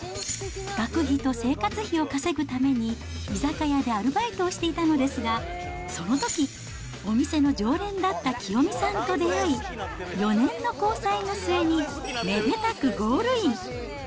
学費と生活費を稼ぐために、居酒屋でアルバイトをしていたのですが、そのとき、お店の常連だったきよみさんと出会い、４年の交際の末にめでたくゴールイン。